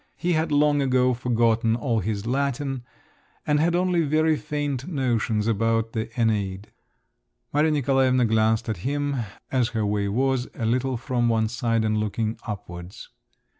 He had long ago forgotten all his Latin, and had only very faint notions about the Æneid. Maria Nikolaevna glanced at him, as her way was, a little from one side and looking upwards.